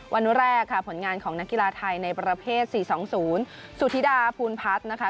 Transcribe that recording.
วันแรกค่ะผลงานของนักกีฬาไทยในประเภท๔๒๐สุธิดาภูลพัฒน์นะคะ